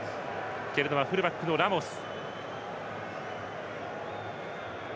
蹴るのはフルバックのラモス。